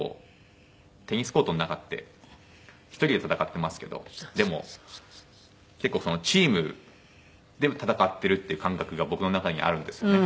テニスコートの中って１人で戦ってますけどでも結構チームで戦ってるっていう感覚が僕の中にあるんですよね。